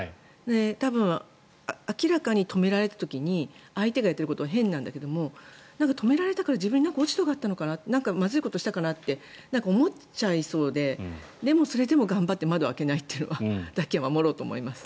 多分、明らかに止められた時に相手が言っていることは変なんだけれど止められたから自分に落ち度があったのかなまずいことしたのかなって思っちゃいそうででも、それでも頑張って窓を開けないというのだけは守ろうと思います。